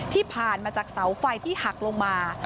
ที่ผ่านมาจากเสาไฟที่หักลงมา